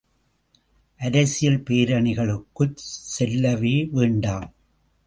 அரசியல் பேரணிகளுக்குச் சொல்லவே வேண்டாம்!